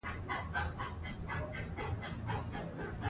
ښه تغذیه د ژوند اساس ده.